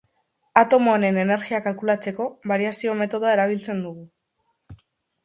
Atomo honen energia kalkulatzeko, bariazio metodoa erabiltzen dugu.